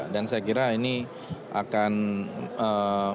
dan saya kira ini akan berhasil